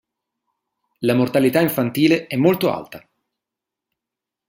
La mortalità infantile è molto alta.